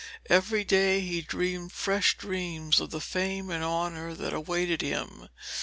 Every day he dreamed fresh dreams of the fame and honour that awaited him.